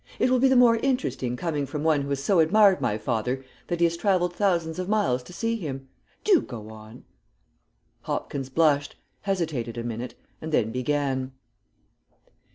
"It will be the more interesting coming from one who has so admired my father that he has travelled thousands of miles to see him. Do go on." Hopkins blushed, hesitated a minute and then began.